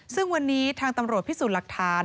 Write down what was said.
ซึ่งวันนี้ทางตำรวจพิสูจน์หลักฐาน